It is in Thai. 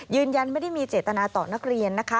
ยืนยันไม่ได้มีเจตนาต่อนักเรียนนะคะ